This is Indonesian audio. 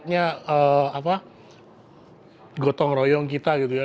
ini gotong royong kita gitu ya